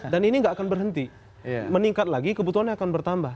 dan ini nggak akan berhenti meningkat lagi kebutuhannya akan bertambah